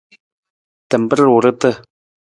Tamar ruurta.